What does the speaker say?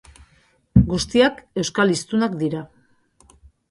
Guztiak euskal hiztunak dira.